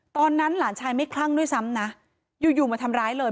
หลานชายไม่คลั่งด้วยซ้ำนะอยู่อยู่มาทำร้ายเลย